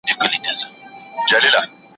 سپرېدل به پر ښايستو مستو آسونو